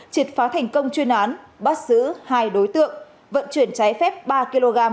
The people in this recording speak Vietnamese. triệt phá thành công chuyên án bắt giữ hai đối tượng vận chuyển trái phép ba kg